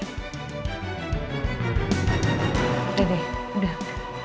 udah deh udah